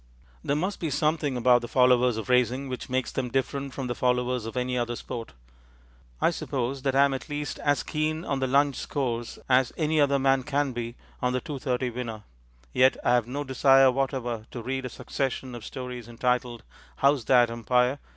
There must be something about the followers of racing which makes them different from the followers of any other sport. I suppose that I am at least as keen on the Lunch Scores as any other man can be on the Two thirty Winner; yet I have no desire whatever to read a succession of stories entitled _How's That, Umpire?